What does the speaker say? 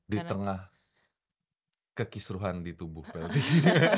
di tengah kekisruhan di tubuh veldie